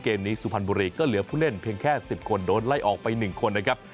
เกมนี้สุพรรณบุรีก็เหลือผู้เล่นเพียงแค่๑๐คนโดนไล่ออกไป๑คนนะครับ